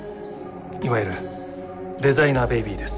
いわゆるデザイナーベビーです。